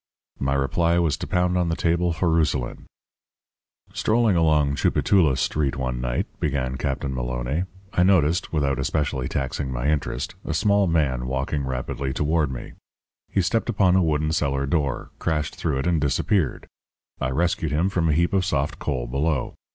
My reply was to pound on the table for Rousselin. "Strolling along Tchoupitoulas Street one night," began Captain Maloné, "I noticed, without especially taxing my interest, a small man walking rapidly toward me. He stepped upon a wooden cellar door, crashed through it, and disappeared. I rescued him from a heap of soft coal below.